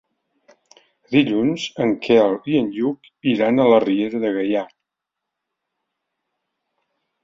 Dilluns en Quel i en Lluc iran a la Riera de Gaià.